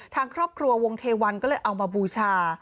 ทางครอบครัววงเทวันก็เลยเอามาบูชา